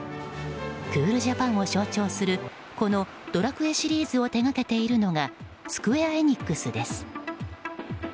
クールジャパンを象徴するこの「ドラクエ」シリーズを手掛けているのがスクウェア・エニックスです。